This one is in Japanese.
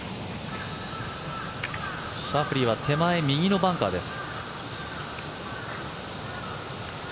シャフリーは手前右のバンカーです。